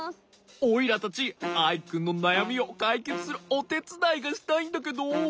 オイラたちアイくんのなやみをかいけつするおてつだいがしたいんだけど。